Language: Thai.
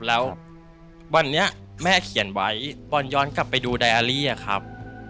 แล้ววันนี้แม่เขียนไว้บอลย้อนกลับไปดูไดอารี่อะครับ